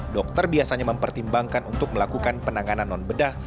dokter biasanya mempertimbangkan untuk melakukan penanganan non bedah